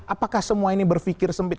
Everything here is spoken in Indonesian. apakah semua ini berpikir sempit